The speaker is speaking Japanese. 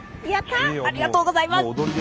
ありがとうございます。